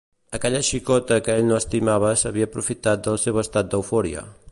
Aquella xicota que ell no estimava s’havia aprofitat del seu estat d’eufòria.